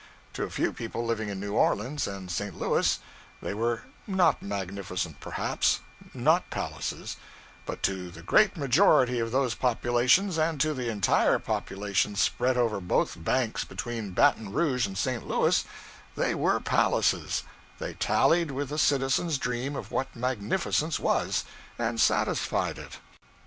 To a few people living in New Orleans and St. Louis, they were not magnificent, perhaps; not palaces; but to the great majority of those populations, and to the entire populations spread over both banks between Baton Rouge and St. Louis, they were palaces; they tallied with the citizen's dream of what magnificence was, and satisfied it.